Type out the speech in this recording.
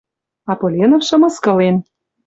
А Поленовшы мыскылен: